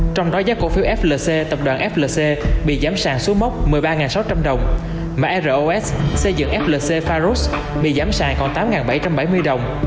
trong đó giá cổ phiếu flc tập đoàn flc bị giám sàn xuống mốc một mươi ba sáu trăm linh đồng mà ros xây dựng flc farus bị giảm sàng còn tám bảy trăm bảy mươi đồng